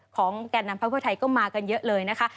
ของแก่นนำพระพบันทยาลัยไทยก็มากันเยอะเลยนะคะ